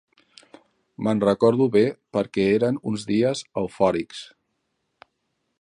Me'n recordo bé perquè eren uns dies eufòrics.